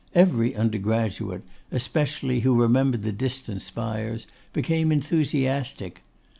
Every undergraduate especially who remembered 'the distant spires,' became enthusiastic.